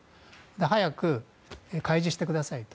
早く開示してくださいと。